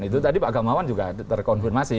itu tadi pak gamawan juga terkonfirmasi